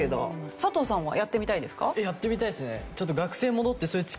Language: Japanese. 佐藤さんはやってみたいですか？